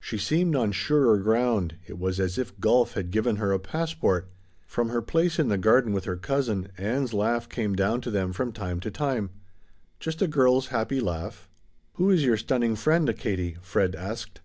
She seemed on surer ground; it was as if golf had given her a passport. From her place in the garden with her cousin, Ann's laugh came down to them from time to time just a girl's happy laugh. "Who is your stunning friend, Katie?" Fred asked.